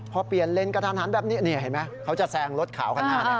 พอเปลี่ยนเลนกระทันหันแบบนี้เห็นไหมเขาจะแซงรถขาวขนาดนั้น